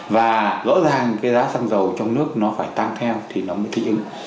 và rõ ràng cái giá xăng dầu trong nước nó phải tăng theo thì nó mới thích ứng